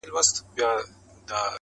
كله كله به ښكار پاته تر مابين سو؛